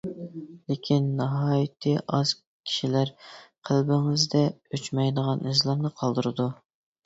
لېكىن ناھايىتى ئاز كىشىلەر قەلبىڭىزدە ئۆچمەيدىغان ئىزلارنى قالدۇرىدۇ.